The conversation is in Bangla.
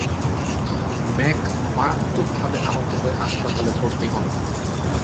ম্যাক মারাত্মকভাবে আহত হয়ে হাসপাতালে ভর্তি হন।